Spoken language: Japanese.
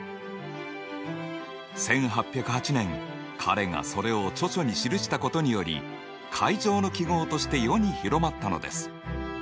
１８０８年彼がそれを著書に記したことにより階乗の記号として世に広まったのです。